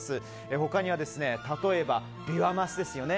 他には例えば、ビワマスですよね